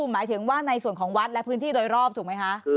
หมายถึงว่าในส่วนของวัดและพื้นที่โดยรอบถูกไหมคะ